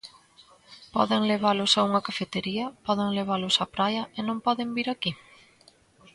Poden levalos a unha cafetería, poden levalos a praia, e non poden vir aquí?